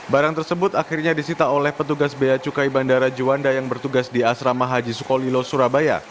barang tersebut akhirnya disita oleh petugas bea cukai bandara juanda yang bertugas di asrama haji sukolilo surabaya